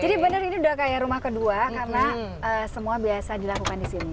benar ini udah kayak rumah kedua karena semua biasa dilakukan di sini